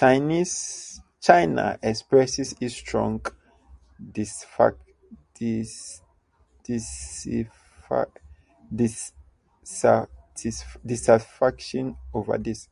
China expresses its strong dissatisfaction over this...